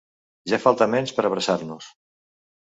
Ja falta menys per abraçar-nos.